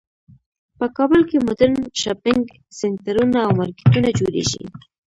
په کابل کې مدرن شاپینګ سینټرونه او مارکیټونه جوړیږی